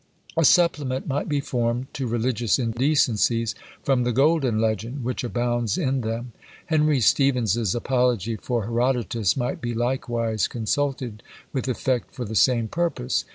A supplement might be formed to religious indecencies from the Golden Legend, which abounds in them. Henry Stephens's Apology for Herodotus might be likewise consulted with effect for the same purpose.